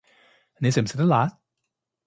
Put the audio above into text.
你食唔食得辣